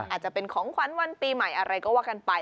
อาจจะเป็นของขวัญวันปีใหม่อะไรก็ว่ากันไป